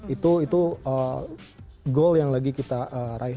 itu goal yang lagi kita raih